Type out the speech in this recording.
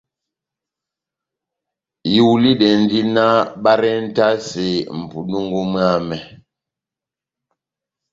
Ihulidɛndi náh barentase mʼpundungu mwámɛ.